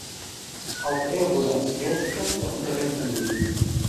Auch er wurde als Herrscher der Unterwelt angesehen.